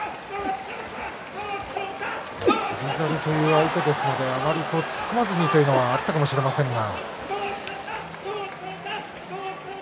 翔猿という相手ですのであまり突っ込まずにというのはあったかもしれませんが。